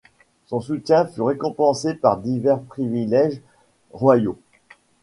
Son soutien fut récompensé par divers privilèges royaux.